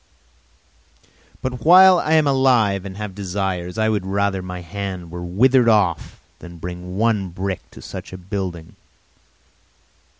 But while I am alive and have desires I would rather my hand were withered off than bring one brick to such a building!